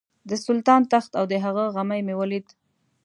د سلیمان تخت او د هغه غمی مې ولید.